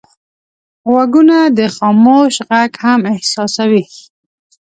غوږونه د خاموش غږ هم احساسوي